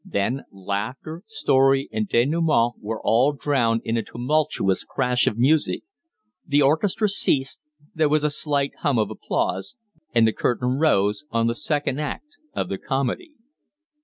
Then laughter, story, and denouement were all drowned in a tumultuous crash of music. The orchestra ceased; there was a slight hum of applause; and the curtain rose on the second act of the comedy.